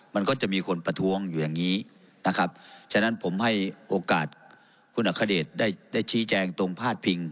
มันก็จะมีคนประท้วงอยู่อย่างนี้นะครับฉะนั้นผมให้โอกาสคุณอัคเดชได้ได้ชี้แจงตรงพาดพิง